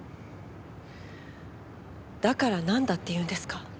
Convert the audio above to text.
だからなんだって言うんですか？